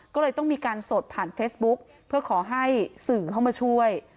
ก็เลยต้องมีการสดผ่านเฟซบุ๊กเพื่อขอให้สื่อเข้ามาช่วย